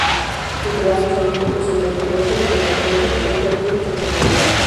Entre ambos, hay un cuerpo central compuesto de contrafuertes de perfil rectangular.